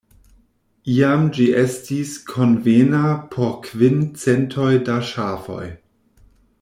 Iam ĝi estis konvena por kvin centoj da ŝafoj.